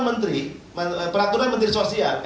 menteri peraturan menteri sosial